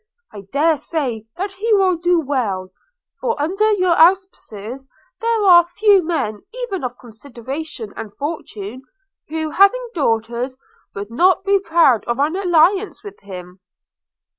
I dare say that he will do well; for, under your auspices, there are few men even of consideration and fortune, who having daughters, would not be proud of an alliance with him.'